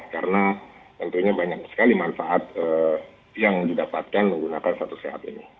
karena tentunya banyak sekali manfaat yang didapatkan menggunakan satu sehat ini